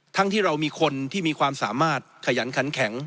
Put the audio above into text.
ที่เรามีคนที่มีความสามารถขยันขันแข็ง